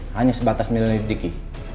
hanya sebatas milenar diki